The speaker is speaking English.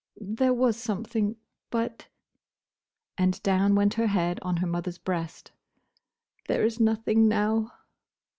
"There was something; but—" and down went her head on her mother's breast—"there is nothing now."